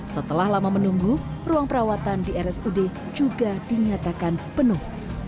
setelah lama menunggu ruang perawatan di rsud juga dinyatakan penuh